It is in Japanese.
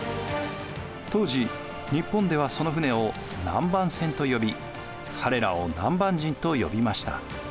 当時日本ではその船を南蛮船と呼び彼らを南蛮人と呼びました。